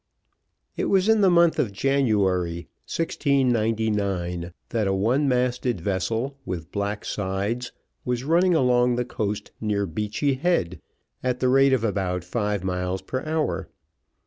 It was in the month of January, 1699, that a one masted vessel, with black sides, was running along the coast near Beachy Head, at the rate of about five miles per hour.